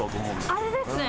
あれですね。